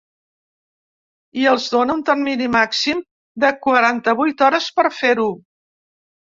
I els dóna un termini màxim de quaranta-vuit hores per fer-ho.